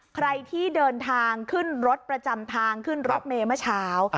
ใครที่เดินทางขึ้นรถประจำทางขึ้นรถเมย์เมื่อเช้า